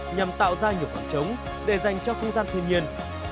nhằm tạo ra nhiều khoảng trống để dành cho không gian thiên nhiên